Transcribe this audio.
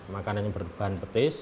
makanannya berbahan petis